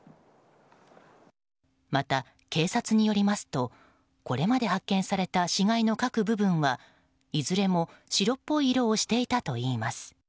また、警察によりますとこれまで発見された死骸の各部分はいずれも白っぽい色をしていたといいます。